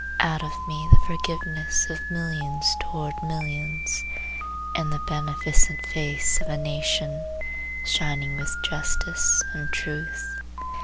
Out of me the forgiveness of millions toward millions, And the beneficent face of a nation Shining with justice and truth.